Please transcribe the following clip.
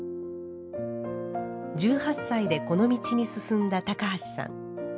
１８歳でこの道に進んだ高橋さん。